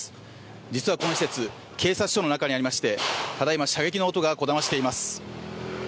実はこの施設、警察署の中にありまして、ただいま射撃の音がこだましています。